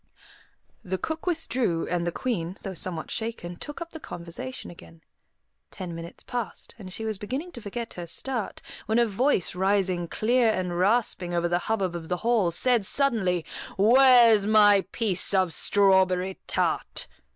The cook withdrew, and the Queen, though somewhat shaken, took up the conversation again. Ten minutes passed, and she was beginning to forget her start, when a voice, rising clear and rasping over the hubbub of the hall, said suddenly, "Where's my piece of strawberry tart?"